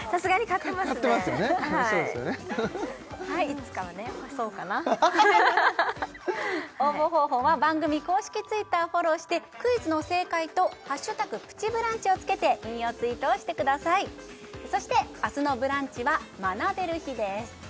いつかはね干そうかな応募方法は番組公式Ｔｗｉｔｔｅｒをフォローしてクイズの正解と「＃プチブランチ」をつけて引用ツイートをしてくださいそして明日のブランチは学べる日です